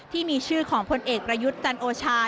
ที่มีชื่อของพลเอกประยุทธ์จันโอชา